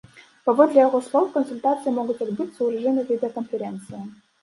Паводле яго слоў, кансультацыі могуць адбыцца ў рэжыме відэаканферэнцыі.